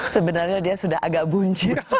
sebenarnya dia sudah agak buncir